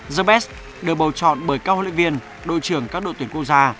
the best được bầu chọn bởi các hội luyện viên đội trưởng các đội tuyển quốc gia